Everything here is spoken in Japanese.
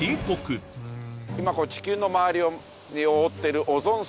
今地球の周りを覆っているオゾン層。